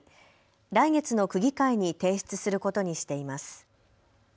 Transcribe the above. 来月の区議会に提出することにしています。